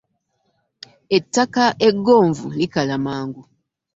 Ettaka eggonvu likala mangu.